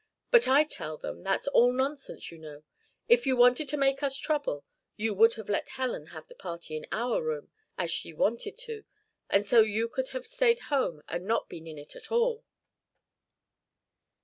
But I tell them that's all nonsense, you know. If you'd wanted to make us trouble, you would have let Helen have the party in our room, as she wanted to, and so you could have stayed home and not been in it at all."